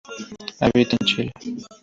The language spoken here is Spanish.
Habita en Chile.